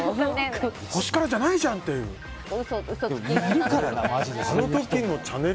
星からじゃないじゃんっていうね。